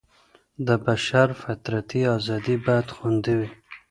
د بشر فطرتي ازادي بايد خوندي وي.